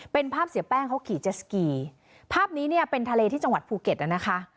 เป็นภาพเสียแป้งเขาขี่เจสสกีภาพนี้เนี่ยเป็นทะเลที่จังหวัดภูเก็ตนะคะ